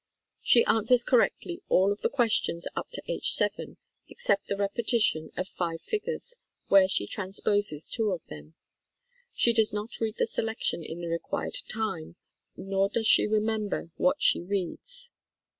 She answers correctly all of the questions up to age 7 except the repetition of five figures, where she transposes two of them. She does not read the selection in the required time, nor does she remember what she reads.